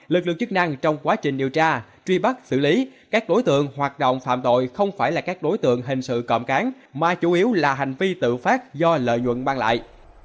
lực lượng chức năng trong quá trình điều tra truy bắt xử lý các đối tượng hoạt động phạm tội không phải là các đối tượng hình sự cộm cán mà chủ yếu là hành vi tự phát do lợi nhuận ban lại